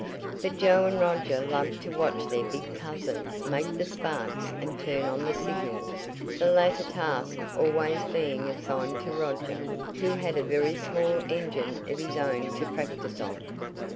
But Joe and Roger loved to watch their big cousin make the sparks and turn on the signals, the latter task always being assigned to Roger, who had a very small engine of his own to practice on.